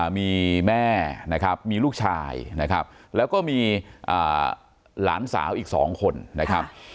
มีแม่นะครับมีลูกชายนะครับแล้วก็มีหลานสาวอีก๒คนนะครับ